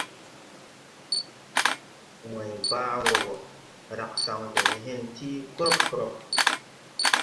Way baa wɔ gɔ, hrag saŋ gɔ ne hen tii krɔb krɔb.